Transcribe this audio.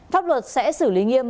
pháp luật sẽ xử lý nghiêm